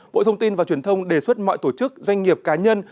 bộ thông tin và truyền thông đề xuất mọi tổ chức doanh nghiệp cá nhân